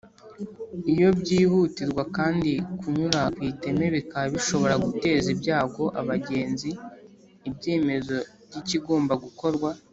iyo byihutirwa kandi ku nyura ku iteme bikaba bishobora guteza ibyago abagenzi ibyemezo by’ikigomba gukorwa